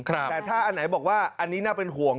แต่ถ้าอันไหนบอกว่าอันนี้น่าเป็นห่วง